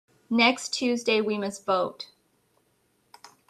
Next Tuesday we must vote.